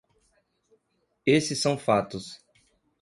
Esses são fatos.